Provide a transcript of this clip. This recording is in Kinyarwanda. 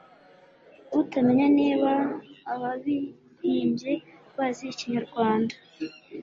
utamenya niba ababihimbye bazi ikinyarwanda,